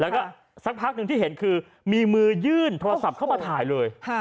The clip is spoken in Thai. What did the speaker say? แล้วก็สักพักหนึ่งที่เห็นคือมีมือยื่นโทรศัพท์เข้ามาถ่ายเลย